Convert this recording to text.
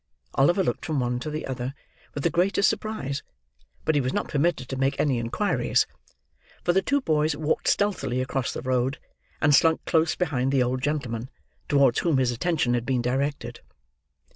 Oliver looked from one to the other, with the greatest surprise; but he was not permitted to make any inquiries; for the two boys walked stealthily across the road, and slunk close behind the old gentleman towards whom his attention had been directed.